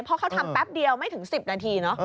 เพราะเขาทำแป๊บเดียวไม่ถึง๑๐นาทีเนอะ